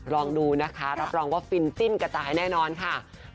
ลองดูนะคะรับรองว่าฟินจิ้นกระจายแน่นอนค่ะ